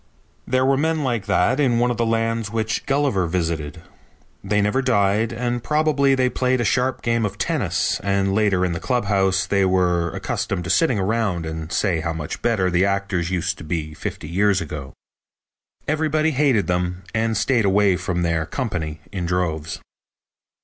There were men like that in one of the lands which Gulliver visited. They never died and probably they played a sharp game of tennis and later in the clubhouse they were accustomed to sit around and say how much better the actors used to be fifty years ago. Everybody hated them and stayed away from their company in droves.